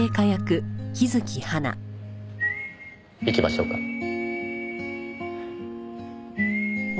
行きましょうか。